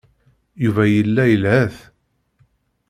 Yuba yella ilehhet.